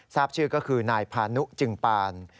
ทราบชื่อก็คือนายพานุจึงปาน